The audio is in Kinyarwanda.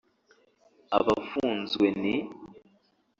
Abafunzwe ni